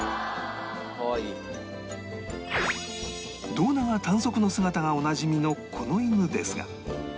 胴長短足の姿がおなじみのこの犬ですが